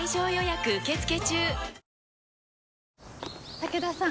武田さん。